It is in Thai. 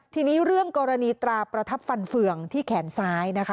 ทีนี้เรื่องกรณีตราประทับฟันเฟืองที่แขนซ้ายนะคะ